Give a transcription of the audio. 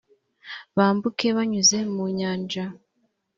bambuke banyuze mu nyanja